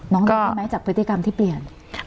น้องดีขึ้นไหมจากพฤติกรรมที่เปลี่ยน